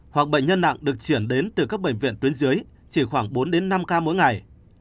hoặc bệnh nhân nặng được chuyển đến từ các bệnh viện tuyến dưới chỉ khoảng bốn đến năm ca mỗi ngày